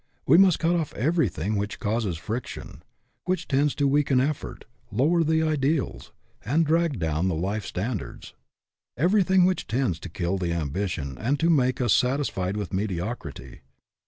We must cut off everything which causes friction, which tends to weaken effort, lower the ideals, and drag down the life standards ; everything which tends to kill the ambition and to make us satisfied with mediocrity.